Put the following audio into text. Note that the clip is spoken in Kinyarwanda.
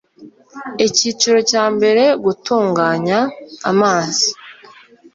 Icyiciro cya mbere Gutunganya amazi